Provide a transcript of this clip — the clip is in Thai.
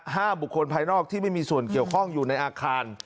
บุคคลภายนอกที่ไม่มีส่วนเกี่ยวข้องอยู่ในอาคาร